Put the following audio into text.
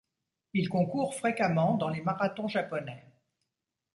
Il concourt fréquemment dans les marathons japonais.